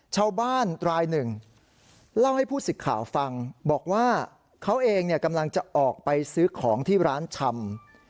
ชาวบ้านรายหนึ่งเล่าให้ผู้สิทธิ์ข่าวฟังบอกว่าเขาเองกำลังจะออกไปซื้อของที่ร้านชำ